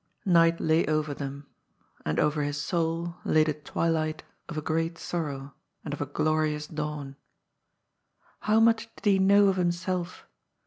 Night lay over them. And over his soul lay the twilight of a great sorrow and of a glorious dawn. How much did he know of himself?